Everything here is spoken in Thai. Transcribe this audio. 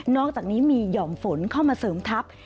อกจากนี้มีหย่อมฝนเข้ามาเสริมทัพ